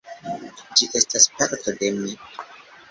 Ĝi estas parto de mi.